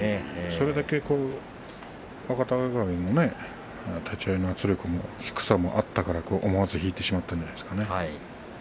それだけ若隆景の立ち合いの圧力の低さもあったので思わず隆の勝は引いてしまったんでしょうね。